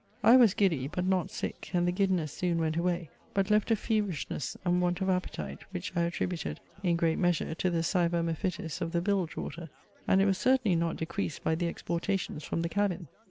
I was giddy, but not sick, and the giddiness soon went away, but left a feverishness and want of appetite, which I attributed, in great measure, to the saeva Mephitis of the bilge water; and it was certainly not decreased by the exportations from the cabin.